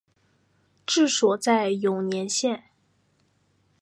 治所在永年县。